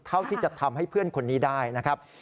เท่าที่จะทำให้เพื่อนคนนี้ได้นะครับ